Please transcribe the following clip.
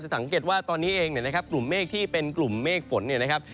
สังเกตว่าตอนนี้เองเนี่ยนะครับกลุ่มเมฆที่เป็นกลุ่มเมฆฝนเนี่ยนะครับ